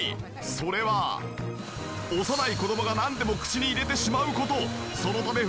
それは幼い子供がなんでも口に入れてしまう事。